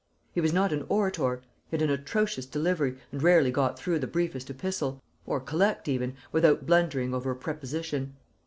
He was not an orator: he had an atrocious delivery, and rarely got through the briefest epistle, or collect even, without blundering over a preposition.